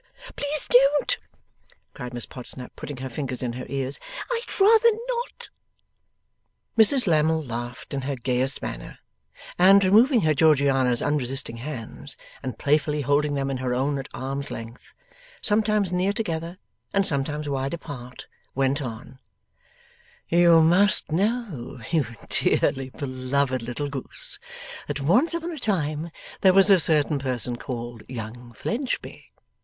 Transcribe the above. Please don't!' cried Miss Podsnap, putting her fingers in her ears. 'I'd rather not.' Mrs Lammle laughed in her gayest manner, and, removing her Georgiana's unresisting hands, and playfully holding them in her own at arms' length, sometimes near together and sometimes wide apart, went on: 'You must know, you dearly beloved little goose, that once upon a time there was a certain person called young Fledgeby.